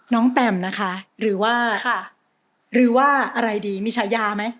น้องแปมนะคะหรือว่าอะไรดีมีฉายาไหม